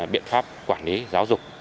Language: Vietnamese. biện pháp quản lý giáo dục